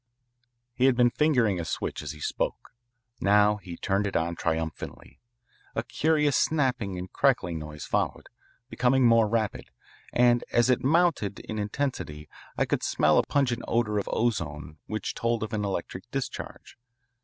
He had been fingering a switch as he spoke. Now he turned it on triumphantly. A curious snapping and crackling noise followed, becoming more rapid, and as it mounted in intensity I could smell a pungent odour of ozone which told of an electric discharge.